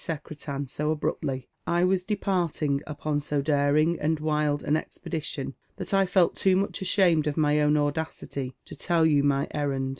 Secretan so abruptly I was departing upon so daring and wild an expedition, that I felt too much ashamed of my own audacity to tell you my errand.